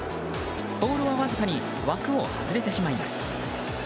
ボールはわずかに枠を外れてしまいます。